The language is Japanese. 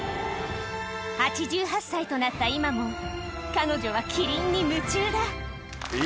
８８歳となった今も、彼女はキリンに夢中だ。